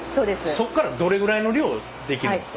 そっからどれぐらいの量出来るんですか？